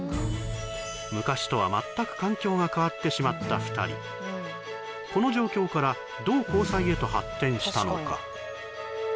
昔とは全く環境が変わってしまった２人この状況からどう交際へと発展したのか？